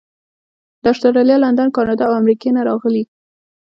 د اسټرالیا، لندن، کاناډا او امریکې نه راغلي.